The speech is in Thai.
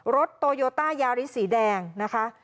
โตโยต้ายาริสสีแดงนะคะ